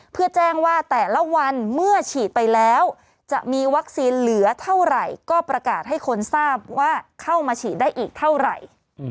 เพื่อแจ้งว่าแต่ละวันเมื่อฉีดไปแล้วจะมีวัคซีนเหลือเท่าไหร่ก็ประกาศให้คนทราบว่าเข้ามาฉีดได้อีกเท่าไหร่